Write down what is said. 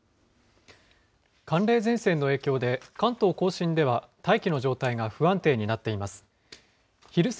寒冷前線の影響で、関東甲信では大気の状態が不安定になっています。